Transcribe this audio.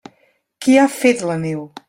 Qui ha fet la neu?